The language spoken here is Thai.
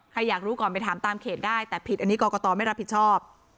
อยากรู้ก่อนไปถามตามเขตได้แต่ผิดอันนี้กรกตไม่รับผิดชอบ